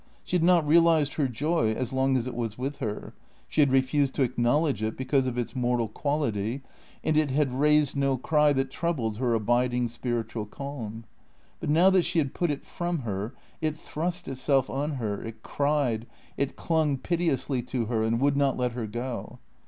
She had not realised her joy as long as it was with her; she had refused to acknowledge it because of its mortal quality, and it had raised no cry that troubled her abiding spiritual calm. But now that she had put it from her, it thrust itself on her, it cried, it clung piteously to her and would not let her go.